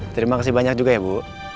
terima kasih banyak juga ya bu